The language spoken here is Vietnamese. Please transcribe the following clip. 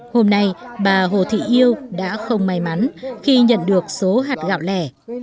hôm nay bà hồ thị yêu đã không may mắn khi nhận được số hạt gạo lẻ